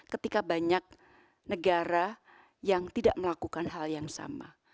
ketika banyak negara yang tidak melakukan hal yang sama